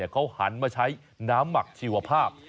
เขาหันมาใช้น้ำหมักชีวภาพ